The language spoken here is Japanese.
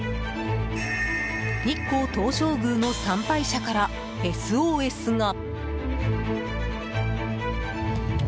日光東照宮の参拝者からＳＯＳが。